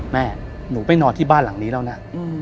แม่หนูไปนอนที่บ้านหลังนี้แล้วนะ